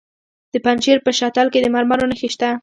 د پنجشیر په شتل کې د مرمرو نښې شته.